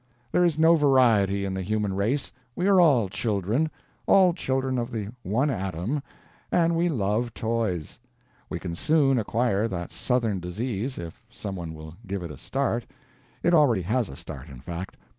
There is no variety in the human race. We are all children, all children of the one Adam, and we love toys. We can soon acquire that Southern disease if some one will give it a start. It already has a start, in fact.